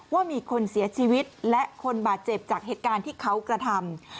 ว่ามีคนเสียชีวิตและคนบาดเจ็บจากเหตุการณ์ที่เขากระทำ